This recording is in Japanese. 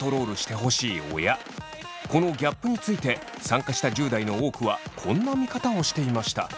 このギャップについて参加した１０代の多くはこんな見方をしていました。